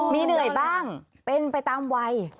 มีเหนื่อยบ้างเป็นไปตามวัย